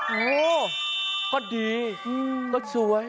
โหก็ดีก็สวย